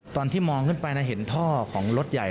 ตอนที่มองขึ้นไปเห็นท่อของรถใหญ่